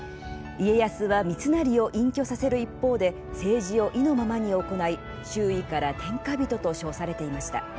家康は三成を隠居させる一方で政治を意のままに行い周囲から天下人と称されていました。